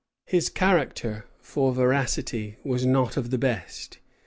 His character for veracity was not of the best.